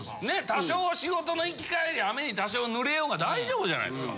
多少は仕事の行き帰り雨に多少濡れようが大丈夫じゃないですか。